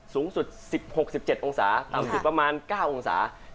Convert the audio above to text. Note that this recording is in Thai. สูงสุด๑๖๑๗องศาต่ำสุดประมาณ๙องศา